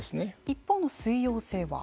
一方の水溶性は？